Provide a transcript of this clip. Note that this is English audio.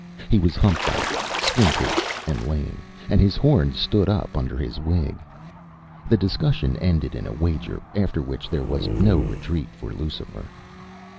He was humpbacked, squinting, and lame, and his horns stood up under his wig. The discussion ended in a wager: after which there was no retreat for Lucifer.